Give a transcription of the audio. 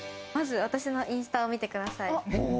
まず私のインスタを見てください。